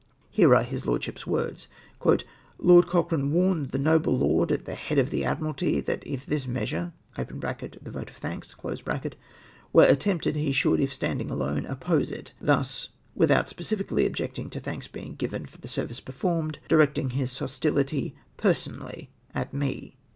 Here are his lordship's words :—" Lord Cochrane ivarned the noble lord at the head of the Admiralty that if this measure (the vote of thanks) were attempted he should, if standing alone, oppose it ; thus, without specifically objecting to thanks being given for the service performed, directing his hostility personally at 'me.'"